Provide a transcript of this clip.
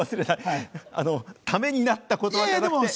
ためになった言葉じゃなくて。